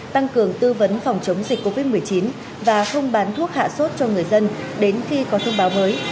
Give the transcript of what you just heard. tăng cường tư vấn phòng chống dịch covid một mươi chín và không bán thuốc hạ sốt cho người dân đến khi có thông báo mới